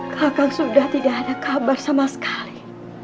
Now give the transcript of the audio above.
kakak sudah tidak ada kabar sama sekali